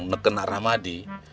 menekan nak rahmadi